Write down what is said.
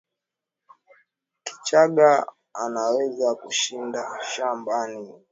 Kichagga anaweza kushinda shambani kutwa na hana desturi ya kubeba watoto mgongoni kwenda nao